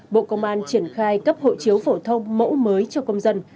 bộ công an triển khai cấp hộ chiếu phổ thông mẫu mới cho công dân